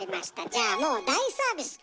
じゃあもう大サービス！